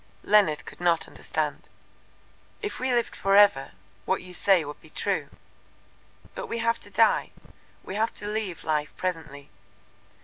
Leonard could not understand. "If we lived for ever what you say would be true. But we have to die, we have to leave life presently.